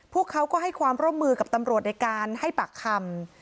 พวกเขาก็ให้ความร่วมมือกับตำรวจในการให้ปากคำ